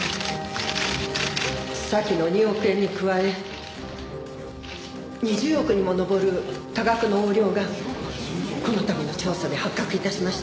先の２億円に加え２０億にものぼる多額の横領がこの度の調査で発覚致しました。